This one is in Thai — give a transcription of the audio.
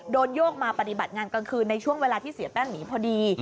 โยกมาปฏิบัติงานกลางคืนในช่วงเวลาที่เสียแป้งหนีพอดี